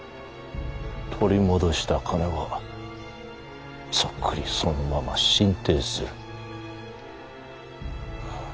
取り戻した金はそっくりそのまま進呈する。